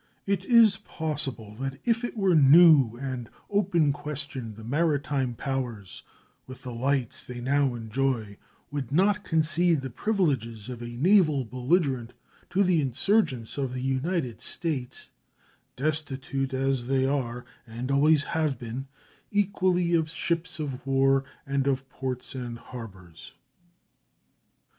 It is possible that if it were new and open question the maritime powers, with the lights they now enjoy, would not concede the privileges of a naval belligerent to the insurgents of the United States, destitute, as they are, and always have been, equally of ships of war and of ports and harbors.